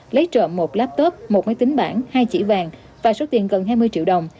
lấy trợ một laptop một máy tính bản hai chỉ vàng và số tiền gần hai mươi triệu đồng